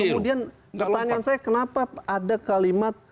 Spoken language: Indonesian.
kemudian pertanyaan saya kenapa ada kalimat